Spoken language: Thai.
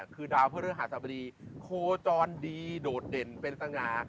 คือดาวเพื่อเรื่องหาสบดีโคจรดีโดดเด่นเป็นตะงา